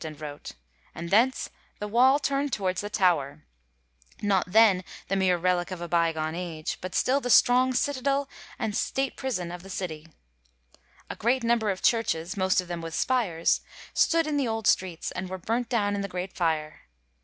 Bayly's Herba Parietia, 1650 36 SHAKSPERE'S LONDON: THE WATCH livd and wrote, and thence the wall turnd towards the Tower, not then the mere relic of a bygone age, but still the strong citadel and state prison of the city.^ A great number of chiu'ches, most of them with spires, stood in the old streets, and were burnt down in the Great Fire.